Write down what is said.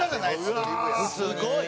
すごい！